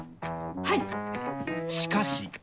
はい！